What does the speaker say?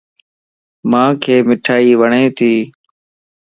مانک مٺائي وڙتي